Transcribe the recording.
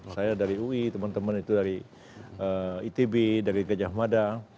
saya dari ui teman teman itu dari itb dari gejah madang